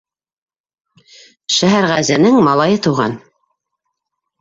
Шәһәрғәзенең малайы тыуған!